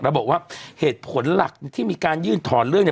แล้วบอกว่าเหตุผลหลักที่มีการยื่นถอนเรื่องเนี่ย